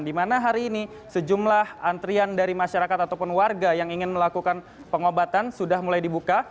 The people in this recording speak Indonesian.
di mana hari ini sejumlah antrian dari masyarakat ataupun warga yang ingin melakukan pengobatan sudah mulai dibuka